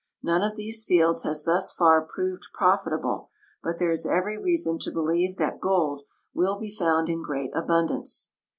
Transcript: None of these fields has thus far proved j)rofitable, but there is every reason to believe that gold will be found in great abundance.